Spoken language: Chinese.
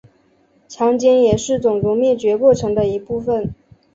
强奸也是种族灭绝过程的一部分。